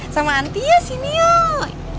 sama antia sini yuk